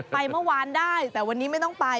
ไปเมื่อวานได้แต่วันนี้ไม่ต้องไป